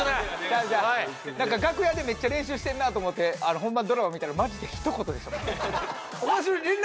なんか楽屋でめっちゃ練習してんなと思って本番ドラマ見たらマジでひと言でしたもん